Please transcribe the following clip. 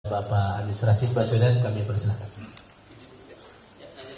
bapak bapak administrasi pasweden kami bersenang senang